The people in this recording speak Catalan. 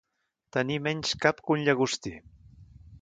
Tenir menys cap que un llagostí.